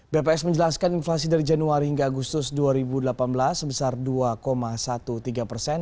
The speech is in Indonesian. bps menjelaskan inflasi dari januari hingga agustus dua ribu delapan belas sebesar dua tiga belas persen